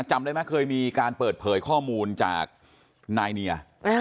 จำได้ไหมเคยมีการเปิดเผยข้อมูลจากนายเนีย